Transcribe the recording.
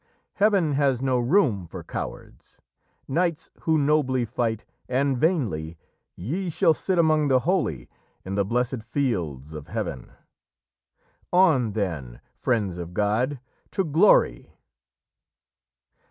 Heaven has no room for cowards! Knights, who nobly fight, and vainly, Ye shall sit among the holy In the blessed fields of Heaven. On then, Friends of God, to glory!'"